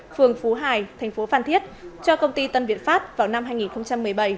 phường phú hải thành phố phan thiết cho công ty tân việt pháp vào năm hai nghìn một mươi bảy